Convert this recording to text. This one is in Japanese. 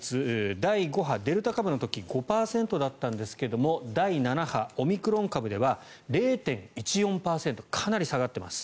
第５波、デルタ株の時は５％だったんですが第７波、オミクロン株では０．１４％かなり下がっています。